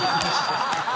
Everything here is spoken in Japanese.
ハハハ